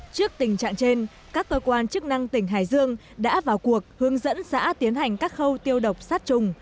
trước tình trạng trên các cơ quan chức năng tỉnh hải dương đã vào cuộc hướng dẫn xã tiến hành các khâu tiêu độc sát trùng